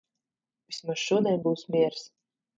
Vismaz šodien būs miers.